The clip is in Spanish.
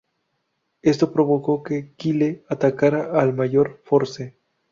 Esto provocó que Kyle atacara al Mayor Force.